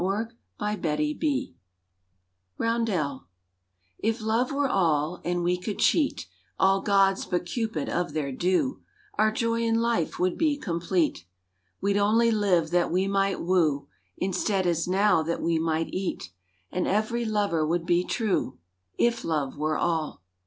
ROUNDEL If love were all and we could cheat All gods but Cupid of their due, Our joy in life would be complete. We'd only live that we might woo, (Instead, as now, that we might eat,) And ev'ry lover would be true,— If love were all.